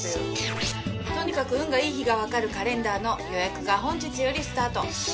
とにかく『運がいい日がわかる』カレンダーの予約が本日よりスタート。